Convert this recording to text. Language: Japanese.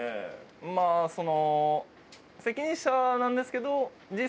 まあその。